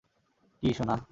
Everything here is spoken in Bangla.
কী, সোনা?